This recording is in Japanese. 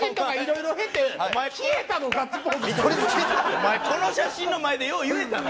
お前この写真の前でよう言えたな。